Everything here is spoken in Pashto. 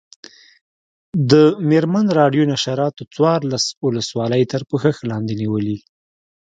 د مېرمن راډیو نشراتو څوارلس ولسوالۍ تر پوښښ لاندې نیولي.